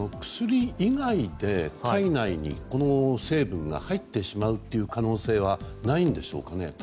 薬以外で、体内にこの成分が入ってしまうという可能性はないんでしょうかね？